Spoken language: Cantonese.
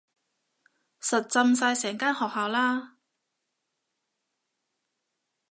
實浸晒成間學校啦